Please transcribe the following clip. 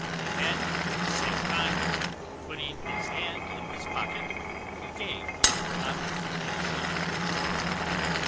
And at the same time, putting his hand in his pocket, he gave the poor object a shilling.